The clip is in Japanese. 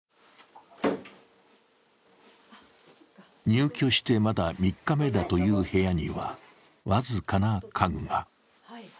入居してまだ３日目だという部屋には、僅かな家具が。